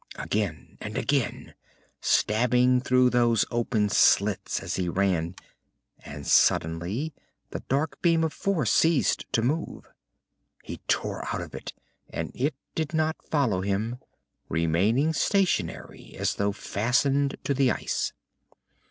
Again and again, stabbing through those open slits as he ran. And suddenly the dark beam of force ceased to move. He tore out of it, and it did not follow him, remaining stationary as though fastened to the ice.